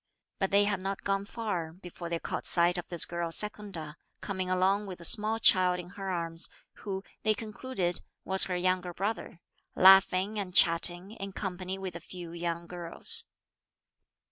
But they had not gone far before they caught sight of this girl Secunda coming along with a small child in her arms, who, they concluded, was her young brother, laughing and chatting, in company with a few young girls.